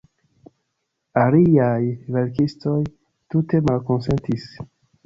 Aliaj verkistoj tute malkonsentis.